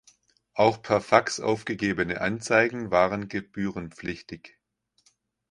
Auch per Fax aufgegebene Anzeigen waren gebührenpflichtig.